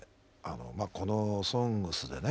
この「ＳＯＮＧＳ」でね